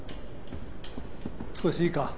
少しいいか？